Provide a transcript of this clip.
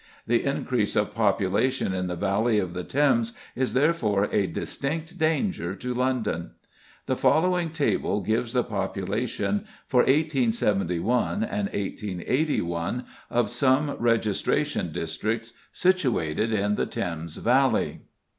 The increase of population in the valley of the Thames is therefore a distinct danger to London. The following table gives the population for 1871 and 1881 of some registration districts situated in the Thames valley: 1871.